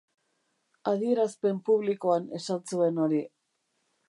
Adierazpen publikoan esan zuen hori.